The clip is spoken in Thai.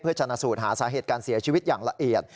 เพื่อจรรย์สูตรหาสาเหตุการเสียชีวิตอย่างละเอียด